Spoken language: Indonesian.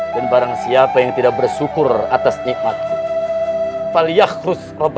dan barang siapa yang tidak bersyukur atas nikmatku